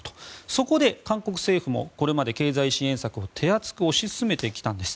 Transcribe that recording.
そこで、韓国政府もこれまで経済支援策を手厚く推し進めてきたんです。